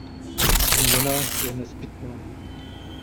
Změna je nezbytná.